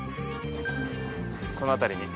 この辺りに。